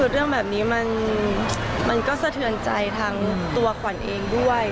เรื่องแบบนี้มันก็สะเทือนใจทั้งตัวขวัญเองด้วย